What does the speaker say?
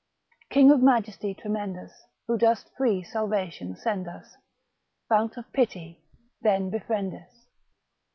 King of Majesty tremendous, Who dost free salvation send us. Fount of pity! then befriend us.